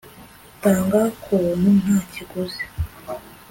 utanga kubuntu nta kiguzi